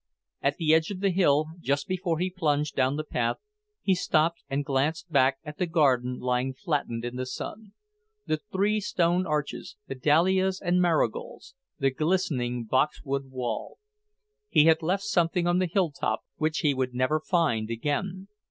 At the edge of the hill, just before he plunged down the path, he stopped and glanced back at the garden lying flattened in the sun; the three stone arches, the dahlias and marigolds, the glistening boxwood wall. He had left something on the hilltop which he would never find again.